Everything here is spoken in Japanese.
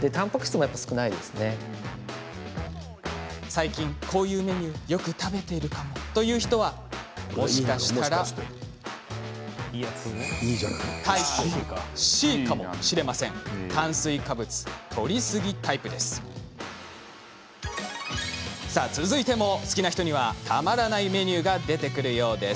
最近こういうメニューよく食べているかもという人はもしかしたらタイプＣかもしれませんさあ続いても好きな人にはたまらないメニューが出てくるようです。